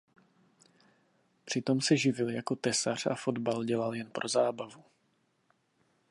Přitom se živil jako tesař a fotbal dělal jen pro zábavu.